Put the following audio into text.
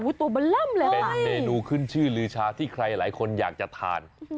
เป็นเมนูขึ้นชื่อลื้อชาที่ใครหลายคนอยากจะทาน